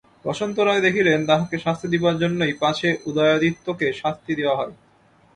বসন্ত রায় দেখিলেন, তাঁহাকে শাস্তি দিবার জন্যই পাছে উদয়াদিত্যকে শাস্তি দেওয়া হয়।